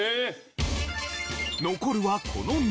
残るはこの３つ。